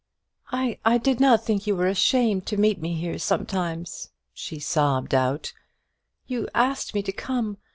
"I did not think you were ashamed to meet me here sometimes," she sobbed out; "you asked me to come.